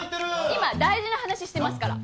今大事な話してますから。